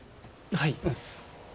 はい。